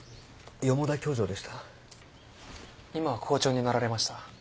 今は校長になられました。